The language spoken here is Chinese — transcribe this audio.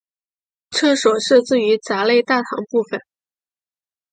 厕所设置于闸内大堂部分。